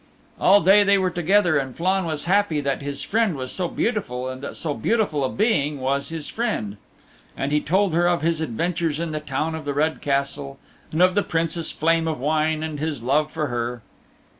All day they were together and Flann was happy that his friend was so beautiful and that so beautiful a being was his friend. And he told her of his adventures in the Town of the Red Castle and of the Princess Flame of Wine and his love for her.